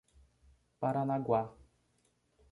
Paranaguá